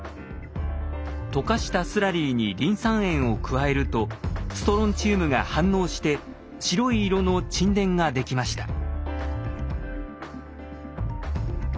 溶かしたスラリーにリン酸塩を加えるとストロンチウムが反応して白い色の沈殿ができました。